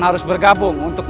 jagad dewa batara